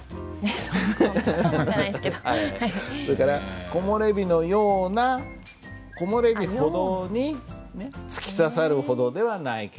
それから「木漏れ日のような」「木漏れ日ほどに突き刺さるほどではないけれども」。